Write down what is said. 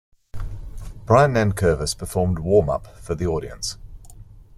Brian Nankervis performed warm-up for the audience.